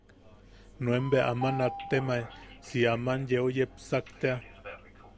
Nuen bea ama nattemae si aman yeu yepsak tea.